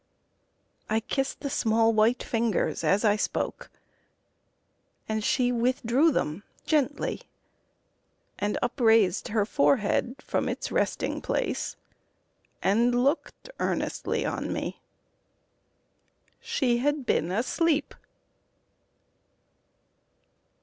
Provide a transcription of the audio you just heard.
I kissed the small white fingers as I spoke, And she withdrew them gently, and upraised Her forehead from its resting place, and looked Earnestly on me She had been asleep!